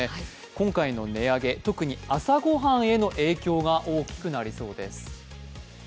今回の値上げ、特に朝ごはんへの影響が大きくなりそうです。